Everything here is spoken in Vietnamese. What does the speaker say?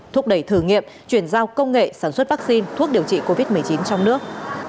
thúc đẩy thử nghiệm chuyển giao công nghệ sản xuất vaccine thuốc điều trị covid một mươi chín trong nước